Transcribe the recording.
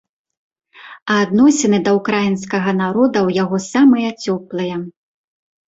А адносіны да ўкраінскага народа ў яго самыя цёплыя.